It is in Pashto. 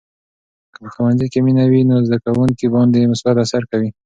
که په ښوونځي کې مینه وي، نو زده کوونکي باندې مثبت اثر کوي.